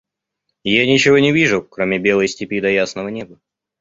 – Я ничего не вижу, кроме белой степи да ясного неба.